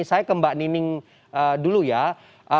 saya ke mbak nining dulu ya